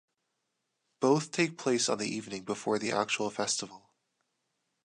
Both take place on the evening before the actual festival.